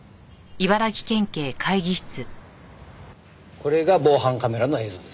これが防犯カメラの映像です。